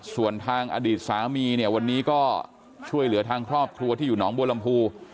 ส่วนทางอดีตสามีเนี่ยวันนี้ก็ช่วยเหลือทางครอบครัวที่อยู่หนองบัวลำพู